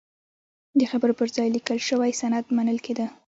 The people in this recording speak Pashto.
د خبرو پر ځای لیکل شوی سند منل کېده.